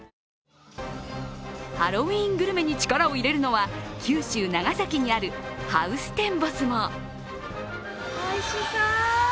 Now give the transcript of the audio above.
ハロウィーングルメに力を入れるのは九州・長崎にあるハウステンボスも。